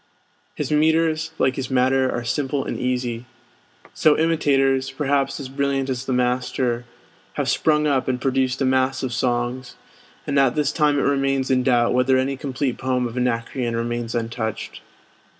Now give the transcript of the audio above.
His metres, like his matter, are simple and easy. So imitators, perhaps as brilliant as the master, have sprung up and produced a mass of songs; and at this time it remains in doubt whether any complete poem of Anacreon remains untouched.